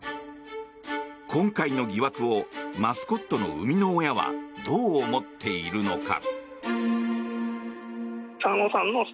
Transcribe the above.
今回の疑惑をマスコットの生みの親はどう思っているのか。